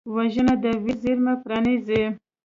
وژنه د ویر زېرمې پرانیزي